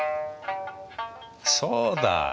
そうだ！